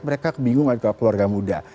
mereka kebingungan keluarga muda